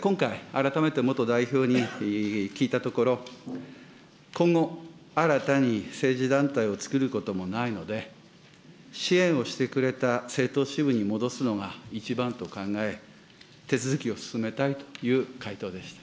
今回、改めて元代表に聞いたところ、今後、新たに政治団体をつくることもないので、支援をしてくれた政党支部に戻すのが一番と考え、手続きを進めたいという回答でした。